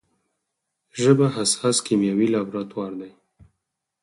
ژبه حساس کیمیاوي لابراتوار دی.